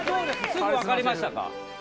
すぐわかりましたか？